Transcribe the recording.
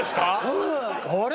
うん！あれ？